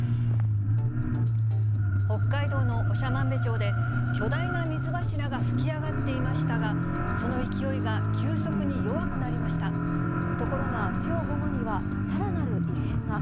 北海道の長万部町で、巨大な水柱が噴き上がっていましたが、その勢いが急速に弱くなりところがきょう午後には、さらなる異変が。